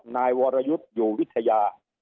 นายวรยุทธ์อยู่วิทยา